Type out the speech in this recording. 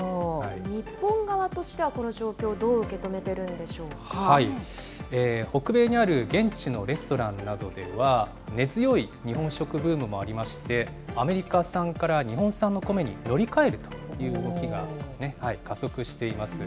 日本側としてはこの状況どう北米にある現地のレストランなどでは、根強い日本食ブームもありまして、アメリカ産から日本産のコメに乗り換えるという動きが加速しています。